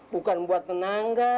bukan buat menanggah